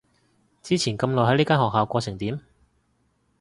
之前咁耐喺呢間學校過成點？